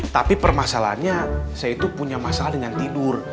tapi permasalahannya saya itu punya masalah dengan tidur